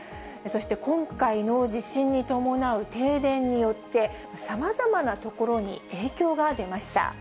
そして今回の地震に伴う停電によって、さまざまなところに影響が出ました。